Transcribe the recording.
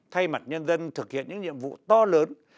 thay mặt nhân dân thực hiện những nhiệm vụ to lớn